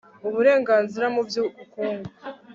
uburenganzira mu by'ubukungu